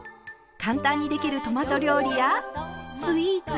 簡単にできるトマト料理やスイーツ。